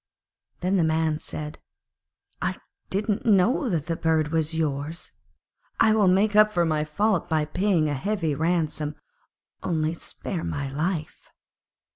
Then the Man said, 'I didn't know that the bird was yours. I will make up for my fault by paying a heavy ransom. Only spare my life.'